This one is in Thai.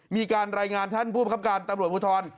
มีการรายงานท่านผู้ประคับการตำรวจภูทร